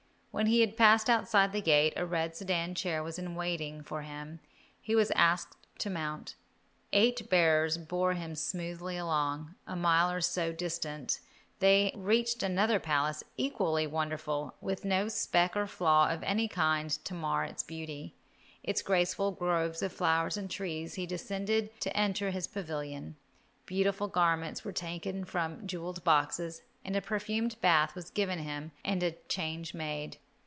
When he had passed outside the gate, a red sedan chair was in waiting for him. He was asked to mount. Eight bearers bore him smoothly along. A mile or so distant they reached another palace, equally wonderful, with no speck or flaw of any kind to mar its beauty. In graceful groves of flowers and trees he descended to enter his pavilion. Beautiful garments were taken from jewelled boxes, and a perfumed bath was given him and a change made.